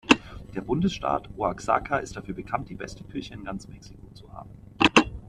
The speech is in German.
Der Bundesstaat Oaxaca ist dafür bekannt, die beste Küche in ganz Mexiko zu haben.